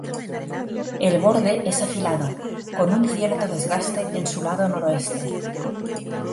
El borde es afilado, con un cierto desgaste en su lado noroeste.